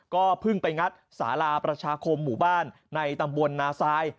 ก็เพิ่งไปงัดสาราประชาคมหมู่บ้านในตำบลนาซาย